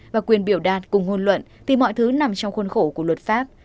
và quyền biểu đạt cùng hôn luận thì mọi thứ nằm trong khuôn khổ của luật pháp